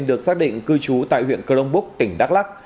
được xác định cư trú tại huyện cơ long búc tỉnh đắk lắc